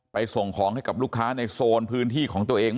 ส่งของให้กับลูกค้าในโซนพื้นที่ของตัวเอง